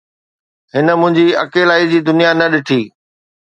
هن منهنجي اڪيلائي جي دنيا نه ڏٺي